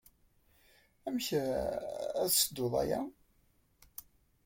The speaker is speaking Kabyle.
Amek ad tessedduḍ aya?